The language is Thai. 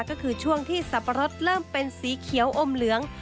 ก็คือช่วงที่สับปะรดเริ่มเป็นสีเขียวอมเหลือง